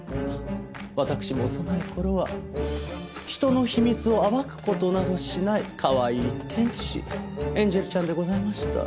私も幼い頃は人の秘密を暴く事などしないかわいい天使エンジェルちゃんでございました。